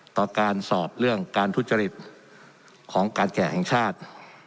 ต่อการสอบเรื่องการทุจริตของการแก่แห่งชาติ